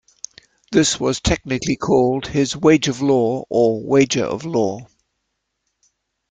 This was technically called his "wage of law" or "wager of law".